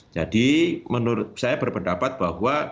jadi menurut saya berpendapat bahwa